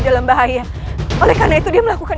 dalam bahaya oleh karena itu dia melakukan